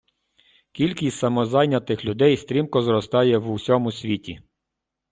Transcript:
Кількість самозайнятих людей стрімко зростає в усьому світі.